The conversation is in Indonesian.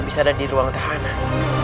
bisa ada di ruang tahanan